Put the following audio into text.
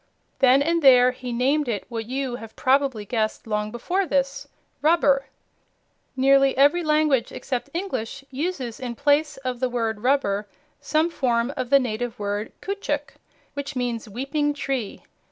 Then and there he named it what you have probably guessed long before this: "rub ber." Nearly every language except English uses in place of the word rubber some form of the native Word "caoutchouc," which means "weeping tree."